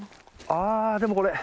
ああでもこれ。